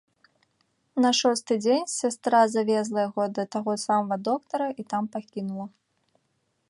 На шосты дзень сястра завезла яго да таго самага доктара і там пакінула.